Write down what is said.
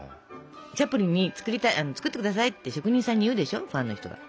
チャップリンに作って下さいって職人さんにいうでしょファンの人が。